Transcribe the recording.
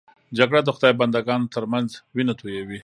جګړه د خدای بنده ګانو تر منځ وینه تویوي